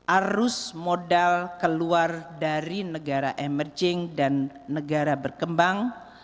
arus modal keluar dari negara emerging dan negara berkembang